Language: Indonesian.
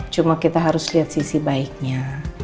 cuma kita harus lihat sisi baiknya